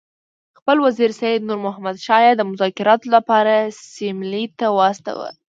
خپل وزیر سید نور محمد شاه یې د مذاکراتو لپاره سیملې ته واستاوه.